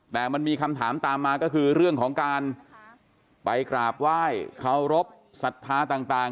แต่มันมีคำถามตามมาก็คือเรื่องของการไปกราบไหว้เคารพสัทธาต่าง